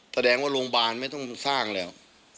แสดงว่าโรงพยาบาลไม่ต้องสร้างแล้ว